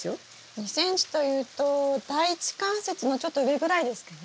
２ｃｍというと第１関節のちょっと上ぐらいですかね？